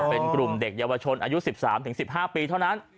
เป็นกลุ่มเด็กเยาวชนอายุ๑๓๑๕ปีเท่านั้น